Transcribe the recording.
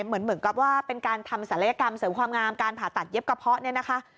เหมือนกับว่าเป็นการทำศัลยกรรมเสริมความงามการผ่าตัดเย็บกระเพาะเนี่ยนะคะ